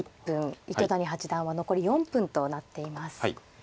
糸谷八段は残り４分となっています。